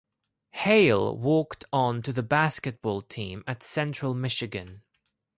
Hale walked on to the basketball team at Central Michigan.